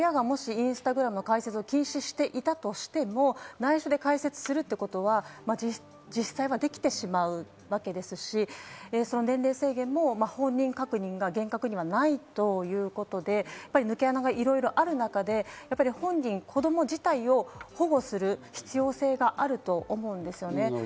親がもしＩｎｓｔａｇｒａｍの開設を禁止していたとしても、内緒で開設するということは、実際はできてしまうわけですし、年齢制限も本人確認が厳格にはないということで、やっぱり抜け穴がいろいろある中で、子供自体を保護する必要性があると思うんですよね。